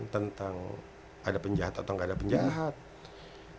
tentang ada penjahat atau ngomongin itu